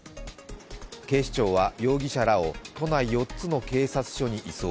警視庁は容疑者らを都内４つの警察署に移送。